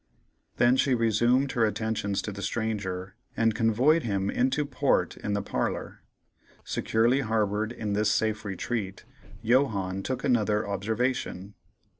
Then she resumed her attentions to the stranger, and convoyed him into port in the parlor. Securely harbored in this safe retreat, Johannes took another observation.